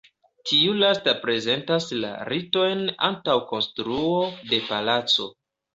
Tiu lasta prezentas la ritojn antaŭ konstruo de palaco.